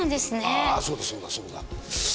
ああそうだそうだそうだ。